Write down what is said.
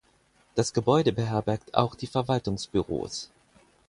Das Gebäude beherbergt auch die Verwaltungsbüros.